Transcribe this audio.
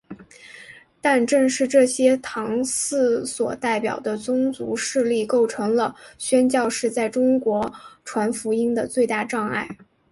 但正是这些祠堂所代表的宗族势力构成了宣教士在中国传福音的最大障碍。